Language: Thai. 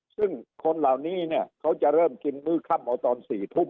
ซึ่งคนเหล่านี้เนี่ยเขาจะเริ่มกินมื้อค่ำเอาตอน๔ทุ่ม